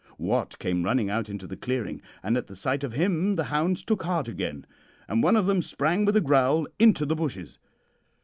Wat came running out into the clearing, and at the sight of him the hounds took heart again, and one of them sprang with a growl into the bushes.